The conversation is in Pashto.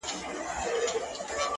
ځوان په لوړ ږغ؛